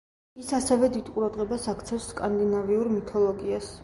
ის ასევე დიდ ყურადღებას აქცევს სკანდინავიურ მითოლოგიას.